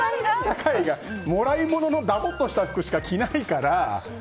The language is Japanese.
もらい物のダボッとした服しか着ないから。